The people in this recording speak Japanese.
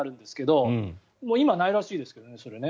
今、もうないらしいですけどね。